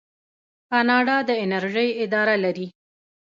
کاناډا د انرژۍ اداره لري.